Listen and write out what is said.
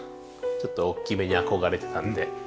ちょっと大きめに憧れてたんで。